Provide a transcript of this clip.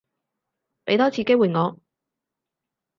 畀多次機會我